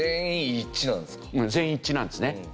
全員一致なんですね。